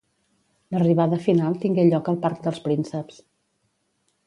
L'arribada final tingué lloc al Parc dels Prínceps.